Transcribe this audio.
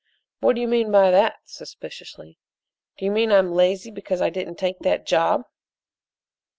"What do you mean by that?" suspiciously. "Do you mean I'm lazy because I didn't take that job?"